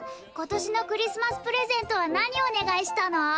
今年のクリスマスプレゼントは何お願いしたの？